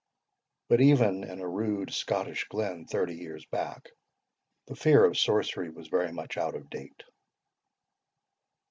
But even in a rude Scottish glen thirty years back, the fear of sorcery was very much out of date.